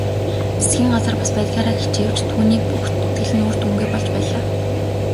Засгийн газар бас байдгаараа хичээвч түүний бүх зүтгэл үр дүнгүй болж байлаа.